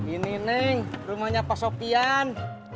ini neng rumahnya pak sopian